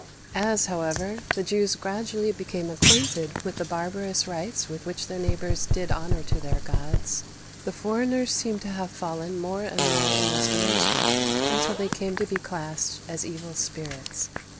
" As, however, the Jews gradually became acquainted with the barbarous rites with which their neighbours did honour to their gods, the foreigners seem to have fallen more and more in estimation, until they came to be classed as evil spirits.